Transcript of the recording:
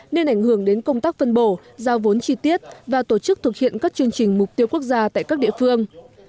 nên ảnh hưởng đến công tác phân bổ giao vốn chi tiết và tổ chức thực hiện các chương trình mục tiêu quốc gia tại các địa phương